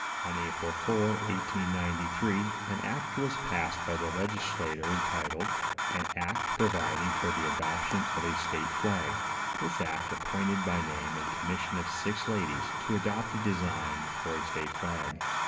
On April 4, 1893, an act was passed by the legislature entitled, "An act providing for the adoption of a state flag." This act appointed by name a commission of six ladies, to adopt a design for a state flag.